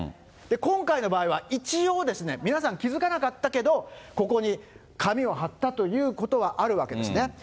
今回の場合は、一応、皆さん気付かなかったけど、ここに紙を貼ったということはあるわけですね。